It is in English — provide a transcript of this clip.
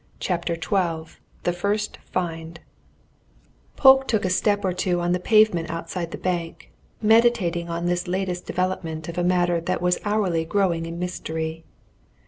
CHAPTER XII THE FIRST FIND Polke took a step or two on the pavement outside the bank, meditating on this latest development of a matter that was hourly growing in mystery.